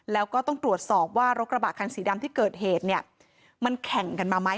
แล้วก็ต้องตรวจสอบว่ารถกระบะคันสีดำที่เกิดเหตุเนี่ยมันแข่งกันมาไหม